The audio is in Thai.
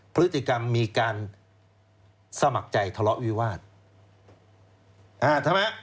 พฤติกรรมมีการสมัครใจทะเลาะวิวาส